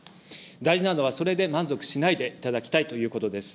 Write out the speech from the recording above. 大事なのはそれで満足しないでいただきたいということです。